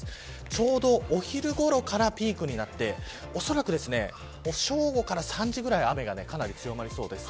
ちょうどお昼ごろからピークになっておそらく正午から３時くらいは雨が強まりそうです。